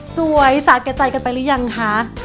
สวยสะแกะใจกันไปหรือยังค่ะ